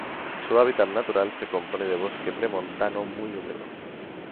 Su hábitat natural se compone de bosque premontano muy húmedo.